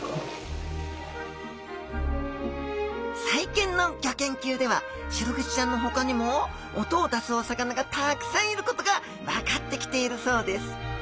最近のギョ研究ではシログチちゃんのほかにも音を出すお魚がたくさんいることが分かってきているそうです。